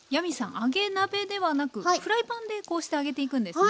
揚げ鍋ではなくフライパンでこうして揚げていくんですね。